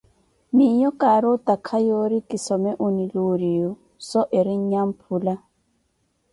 Miiyo kari otakha yoori kisome UniLuriyu, so eri Nnyamphula.